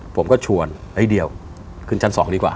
ผมก็ชวนไอ้เดียวขึ้นชั้น๒ดีกว่า